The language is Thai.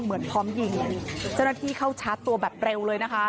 เหมือนพร้อมยิงเจ้าหน้าที่เข้าชาร์จตัวแบบเร็วเลยนะคะ